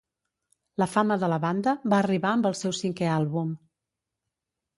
La fama de la banda va arribar amb el seu cinquè àlbum